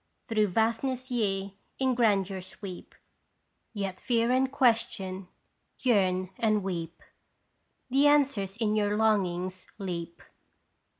Through vastness ye in grandeur sweep i Yet fear and question, yearn and weep ! The answers in your longings leap